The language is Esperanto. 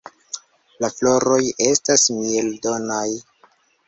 La floroj estas mieldonaj.